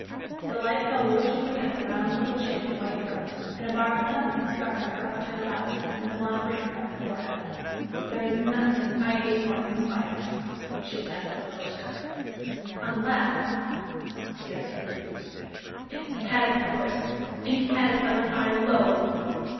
The light fell bewitchingly on her round little chin and white throat; and a bar of sunlight struck on her upturned eyes, and the blonde rings on her forehead. "There is nothing I hate more than spiders," she said, with a little shiver, "unless," seriously, "it's caterpillars and caterpillars I loathe."